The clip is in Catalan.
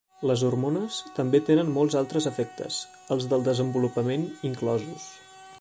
Les hormones també tenen molts altres efectes, els del desenvolupament inclosos.